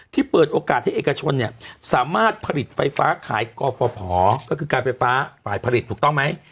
เปิดโอกาสให้เอกชนเนี่ยสามารถผลิตไฟฟ้าขายกฟภก็คือการไฟฟ้าฝ่ายผลิตถูกต้องไหม